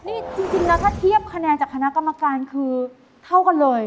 นี่จริงแล้วถ้าเทียบคะแนนจากคณะกรรมการคือเท่ากันเลย